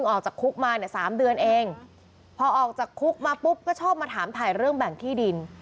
ออกจากคุกมาเนี่ยสามเดือนเองพอออกจากคุกมาปุ๊บก็ชอบมาถามถ่ายเรื่องแบ่งที่ดิน